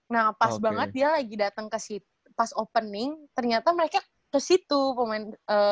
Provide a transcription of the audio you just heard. nah pas banget dia lagi datang ke situ pas opening ternyata mereka ke situ pemain